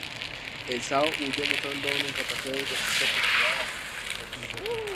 El sah huyó, mostrando una incapacidad que empezó a preocupar a sus consejeros.